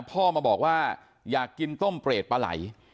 พ่อมาบอกว่าอยากกินต้มเปรตปลาไหล่